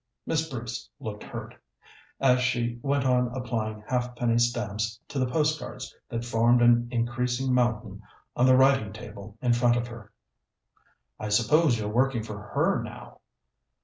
Miss Bruce looked hurt, as she went on applying halfpenny stamps to the postcards that formed an increasing mountain on the writing table in front of her. "I suppose you're working for her now?"